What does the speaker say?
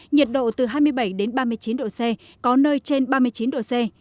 nhiệt độ từ hai mươi bảy đến ba mươi chín độ c có nơi trên ba mươi chín độ c